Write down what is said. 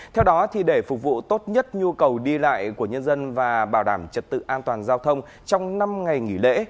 theo đó để phục vụ tốt nhất nhu cầu đi lại của nhân dân và bảo đảm trật tự an toàn giao thông trong năm ngày nghỉ lễ